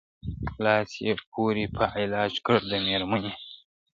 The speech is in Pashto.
لاس یې پوري په علاج کړ د مېرمني `